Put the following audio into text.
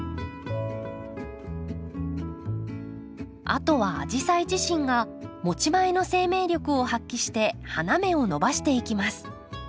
あとはアジサイ自身が持ち前の生命力を発揮して花芽を伸ばしていきます。